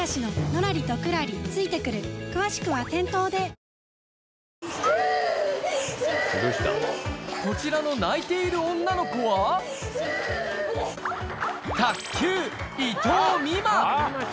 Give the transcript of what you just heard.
あなたもこちらの泣いている女の子は、卓球、伊藤美誠。